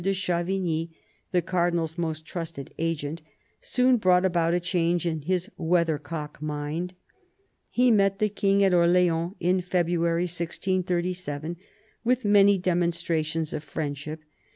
de Chavigny, the Cardinal's most trusted agent, soon brought about a change in his weathercock mind. He met the King at Orleans in February 1637, "with many demonstrations of friendship."